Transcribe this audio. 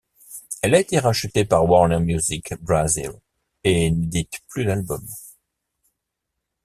Elle a été rachetée par Warner Music Brasil et n'édite plus d'albums.